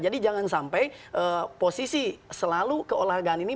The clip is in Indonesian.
jangan sampai posisi selalu keolahragaan ini